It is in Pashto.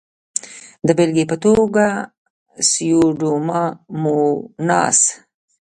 د بېلګې په توګه سیوډوموناس.